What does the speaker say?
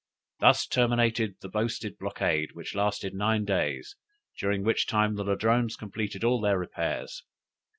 Thus terminated the boasted blockade, which lasted nine days, during which time the Ladrones completed all their repairs.